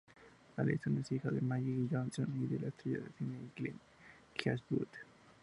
Alison es hija de Maggie Johnson y de la estrella de cine Clint Eastwood.